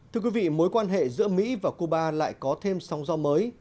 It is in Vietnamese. thưa quý vị mối quan hệ giữa mỹ và cuba lại có thêm sóng do mới